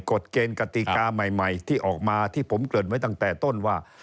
กฎเกณฑ์กติกาใหม่ที่ออกมาที่ผมเกิดไว้ตั้งแต่ต้นว่า